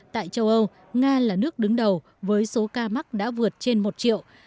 tại châu âu nga là nước đứng đầu với số ca mắc đã vượt trên một triệu